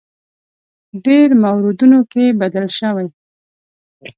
ډېرو موردونو کې بدل شوی.